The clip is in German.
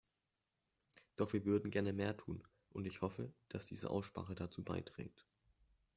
Doch wir würden gern mehr tun, und ich hoffe, dass diese Aussprache dazu beiträgt.